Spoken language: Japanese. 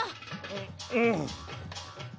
ううん。